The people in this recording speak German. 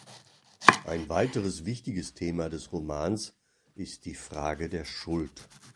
Ein weiteres wichtiges Thema des Romans ist „die Frage der Schuld“.